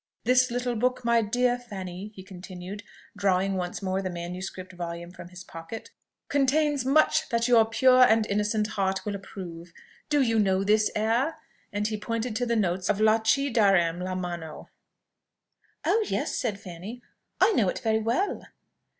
This little book, my dear Miss Fanny," he continued, drawing once more the manuscript volume from his pocket, "contains much that your pure and innocent heart will approve. Do you know this air?" and he pointed to the notes of "Là ci darem' la mano." "Oh yes!" said Fanny; "I know it very well."